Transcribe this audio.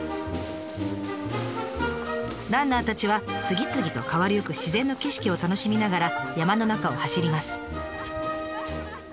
ランナーたちは次々と変わりゆく自然の景色を楽しみながら山の中を走ります。